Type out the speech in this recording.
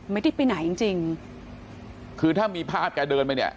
ไม่ได้ไปไหนจริงจริงคือถ้ามีภาพแกเดินไปเนี่ย